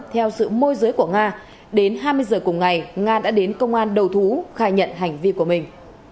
theo sự môi giới của nga đến hai mươi giờ cùng ngày nga đã đến công an đầu thú khai nhận hành vi của mình